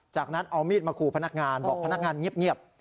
จากนั้นเอามีดมาขู่พนักงานบอกพนักงานเงียบ